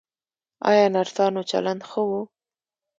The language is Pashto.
ایا نرسانو چلند ښه و؟